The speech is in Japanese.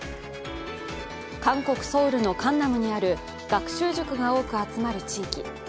韓国ソウルのカンナムにある学習塾が多く集まる地域。